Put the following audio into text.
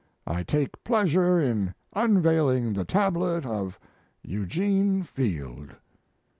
I take pleasure in unveiling the tablet of Eugene Field."